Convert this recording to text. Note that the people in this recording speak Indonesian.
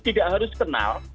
tidak harus kenal